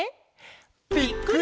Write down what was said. ぴっくり！